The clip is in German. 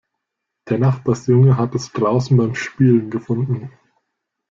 Der Nachbarsjunge hat es draußen beim Spielen gefunden.